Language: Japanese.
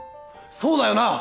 そうだよなぁ？